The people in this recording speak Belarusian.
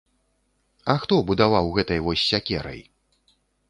А хто будаваў гэтай вось сякерай?